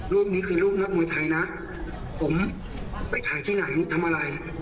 รูปนี้คือลูกนักมวยไทยนะผมไปถ่ายที่ไหนทำอะไร